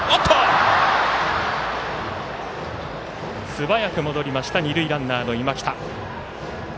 素早く戻りました二塁ランナーの今北。